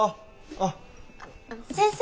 あの先生